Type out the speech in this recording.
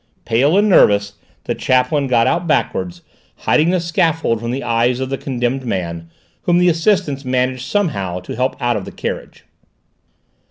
Pale and nervous, the chaplain got out backwards, hiding the scaffold from the eyes of the condemned man, whom the assistants managed somehow to help out of the carriage.